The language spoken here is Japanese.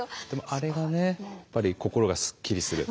あれがねやっぱり心がすっきりする。